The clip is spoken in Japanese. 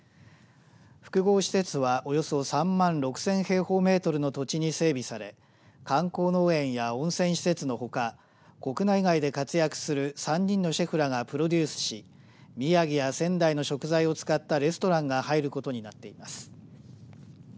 複合施設はおよそ３万６０００平方メートルの土地に整備され観光農園や温泉施設のほか国内外で活躍する３人のシェフらがプロデュースし宮城や仙台の食材を使ったレストランが入ることになっています。